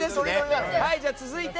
続いて。